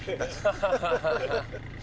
ハハハハ。